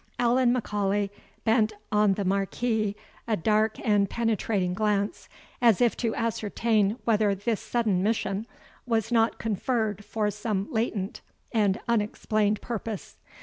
Allan M'Aulay bent on the Marquis a dark and penetrating glance, as if to ascertain whether this sudden mission was not conferred for some latent and unexplained purpose.